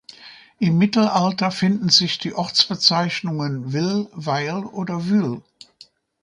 Im Mittelalter finden sich die Ortsbezeichnungen Will, Weil oder Wyl.